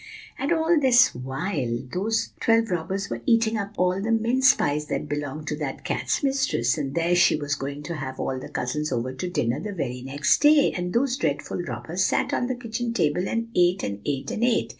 "And all this while those twelve robbers were eating up the mince pies that belonged to that cat's mistress, and there she was going to have all the cousins over to dinner the very next day. And those dreadful robbers sat on the kitchen table, and ate, and ate, and ate.